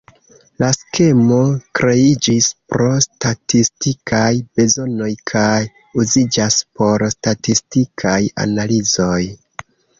La skemo kreiĝis pro statistikaj bezonoj kaj uziĝas por statistikaj analizoj.